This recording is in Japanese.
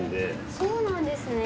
そうなんですね。